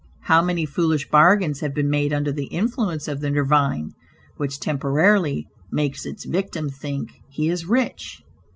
How many foolish bargains have been made under the influence of the "nervine," which temporarily makes its victim think he is rich.